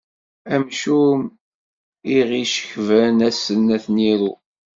Amcum i ɣ-icekben ass-n ad ten-iru.